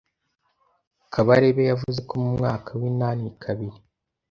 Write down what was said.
Kabarebe yavuze ko mu mwaka w’inani kabiri